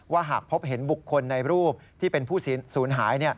หากพบเห็นบุคคลในรูปที่เป็นผู้สูญหาย